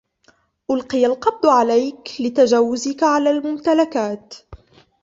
ألقي القبض عليك لتجاوزك على الممتلكات.